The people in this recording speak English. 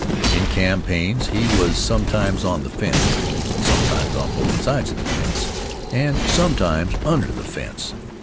In campaigns he was sometimes on the fence, sometimes on both sides of the fence, and sometimes under the fence.